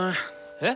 えっ？